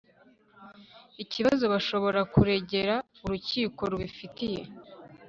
ikibazo bashobora kuregera urukiko rubifitiye